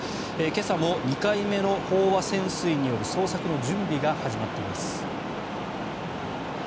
今朝も２回目の飽和潜水による捜索の準備が始まっています。